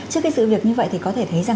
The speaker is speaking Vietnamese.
trước cái sự việc như vậy thì có thể thấy rằng